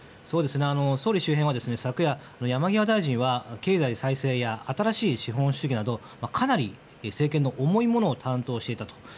総理周辺は昨夜山際大臣は経済再生や新しい資本主義などかなり政権の重いものを担当していたと。